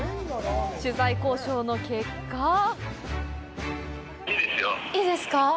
取材交渉の結果いいですか？